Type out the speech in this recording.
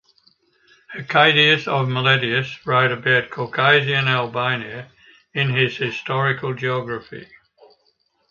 Hecataeus of Miletus wrote about Caucasian Albania in his "Historical Geography".